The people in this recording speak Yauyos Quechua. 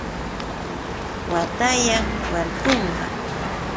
Watayan. warkunqa.